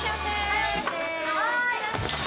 はい！